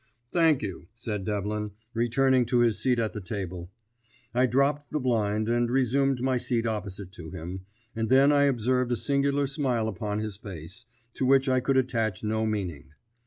"Thank you," said Devlin, returning to his seat at the table. I dropped the blind, and resumed my seat opposite to him, and then I observed a singular smile upon his face, to which I could attach no meaning.